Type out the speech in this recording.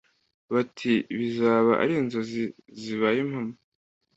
Bati Bizaba ari inzozi zibaye impamo